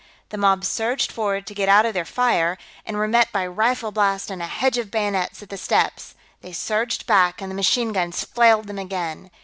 The mob surged forward to get out of their fire, and were met by a rifle blast and a hedge of bayonets at the steps; they surged back, and the machine guns flailed them again.